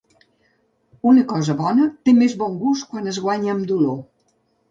Una cosa bona té més bon gust quan es guanya amb dolor.